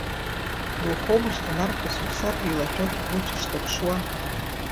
Иухоумыршҭын, арԥыс, уԥсадгьыл ашәақь агәыцә ишҭаԥшуа.